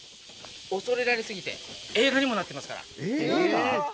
恐れられ過ぎて映画にもなってますから。